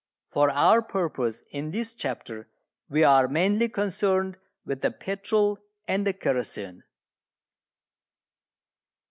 For our purpose in this chapter we are mainly concerned with the petrol and the kerosene.